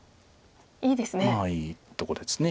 いいですね。